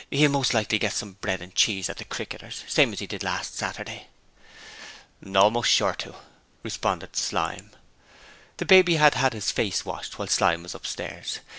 'He'll most likely get some bread and cheese at the "Cricketers", same as he did last Saturday.' 'Almost sure to,' responded Slyme. The baby had had his face washed while Slyme was upstairs.